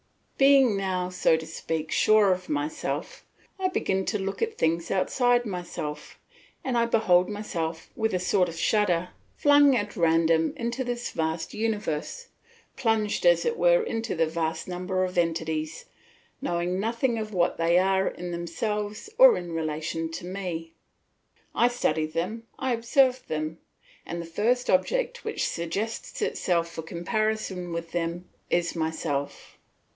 Being now, so to speak, sure of myself, I begin to look at things outside myself, and I behold myself with a sort of shudder flung at random into this vast universe, plunged as it were into the vast number of entities, knowing nothing of what they are in themselves or in relation to me. I study them, I observe them; and the first object which suggests itself for comparison with them is myself.